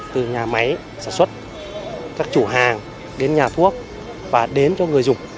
từ nhà máy sản xuất các chủ hàng đến nhà thuốc và đến cho người dùng